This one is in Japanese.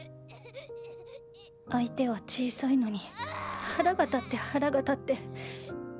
相手は小さいのに腹が立って腹が立って。